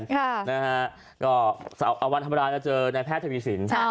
สงสัยวันธรรมดาจะเจอในแพทย์แตนวีสินต์